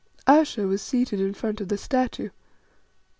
Ayesha was seated in front of the statue.